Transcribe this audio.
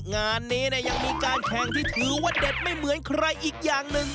งานนี้ยังมีการแข่งที่ถือว่าเด็ดไม่เหมือนใครอีกอย่างหนึ่ง